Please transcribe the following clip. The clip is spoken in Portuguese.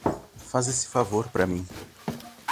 Faz esse favor pra mim